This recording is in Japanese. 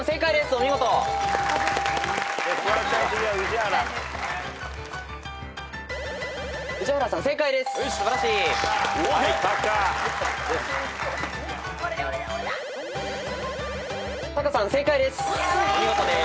お見事です。